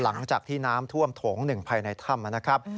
หลังจากที่น้ำท่วมโถง๑ภายในถ้ำนะครับ